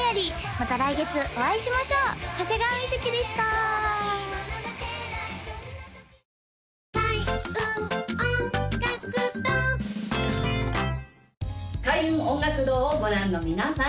また来月お会いしましょう長谷川瑞でした開運音楽堂をご覧の皆さん